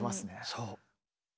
そう。